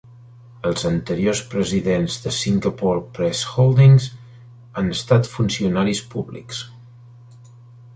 Els anteriors presidents de Singapore Press Holdings han estat funcionaris públics.